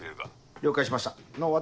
了解しました私。